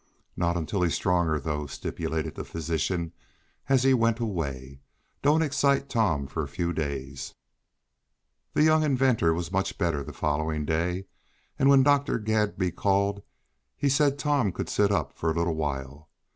"Not until he is stronger, though," stipulated the physician as he went away. "Don't excite Tom for a few days." The young inventor was much better the following day, and when Dr. Gladby called he said Tom could sit up for a little while.